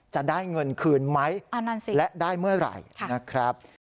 จะได้เงินคืนไหมและได้เมื่อไหร่นะครับ